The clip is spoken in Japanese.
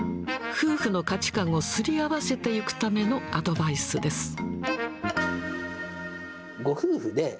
夫婦の価値観をすり合わせていくためのアドバイスです。